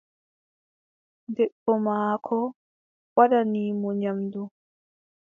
Debbo maako waddani mo nyamndu.